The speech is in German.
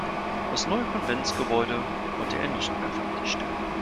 Das neue Konventsgebäude konnte er nicht mehr fertigstellen.